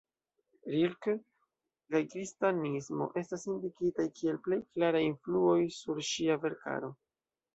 Rilke kaj kristanismo estas indikitaj kiel plej klaraj influoj sur ŝia verkaro.